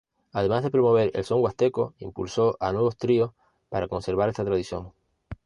Además de promover el son huasteco impulsó a nuevos tríos para conservar esta tradición.